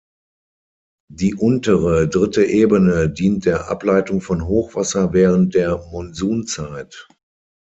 Die untere dritte Ebene dient der Ableitung von Hochwasser während der Monsunzeit.